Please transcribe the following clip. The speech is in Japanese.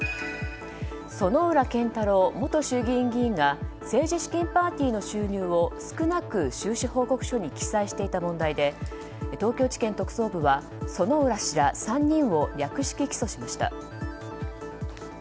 薗浦健太郎元衆議院議員が政治資金パーティーの収入を少なく収支報告書に記載していた問題で東京地検特捜部は薗浦氏ら３人を略式起訴しました。